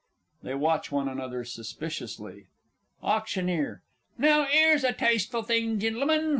[They watch one another suspiciously. AUCT. Now 'ere's a tasteful thing, Gentlemen.